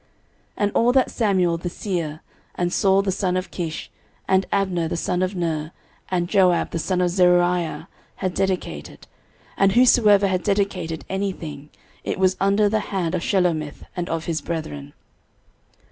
13:026:028 And all that Samuel the seer, and Saul the son of Kish, and Abner the son of Ner, and Joab the son of Zeruiah, had dedicated; and whosoever had dedicated any thing, it was under the hand of Shelomith, and of his brethren.